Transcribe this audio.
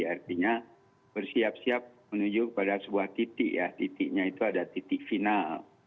artinya bersiap siap menuju kepada sebuah titik ya titiknya itu ada titik final